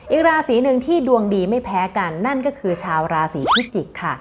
อีกราศีหนึ่งที่ดวงดีไม่แพ้กันนั่นก็คือชาวราศีพิจิกษ์ค่ะ